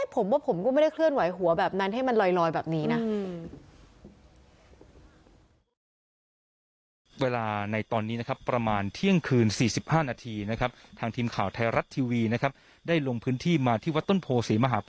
ผมว่าผมก็ไม่ได้เคลื่อนไหวหัวแบบนั้นให้มันลอยแบบนี้นะ